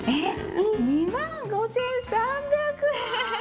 ２万５３００円。